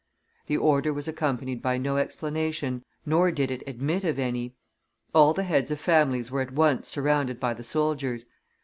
The order was accompanied by no explanation; nor did it admit of any. All the heads of families were at once surrounded by the soldiers.